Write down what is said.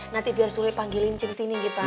nanti biar sule panggilin centini gitu pak